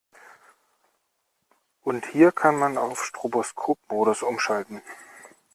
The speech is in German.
Und hier kann man auf Stroboskopmodus umschalten.